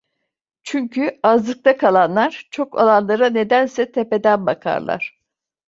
Çünkü azlıkta kalanlar çok olanlara nedense tepeden bakarlar.